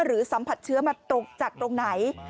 สัมผัสเชื้อมาจากตรงไหน